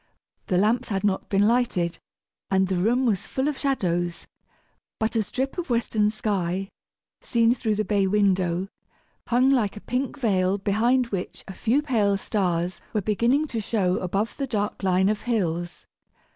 The lamps had not been lighted, and the room was full of shadows; but a strip of western sky, seen through the bay window, hung like a pink veil behind which a few pale stars were beginning to show above the dark line of hills.